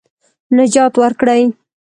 نجات ورکړي.